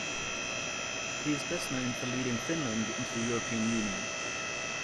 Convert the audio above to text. He is best known for leading Finland into the European Union.